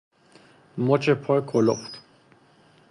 مچ پا کلفت